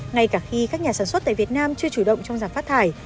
ngay cả khi các nhà sản xuất tại việt nam chưa chủ động trong giảm phát thải